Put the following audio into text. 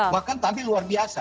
bahkan tapi luar biasa